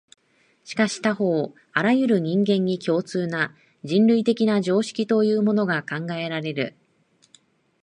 しかし他方、あらゆる人間に共通な、人類的な常識というものが考えられる。